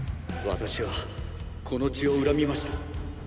私はこの血を恨みました。